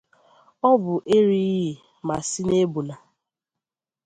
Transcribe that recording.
Ọ bụ erighị ma sịṅebuna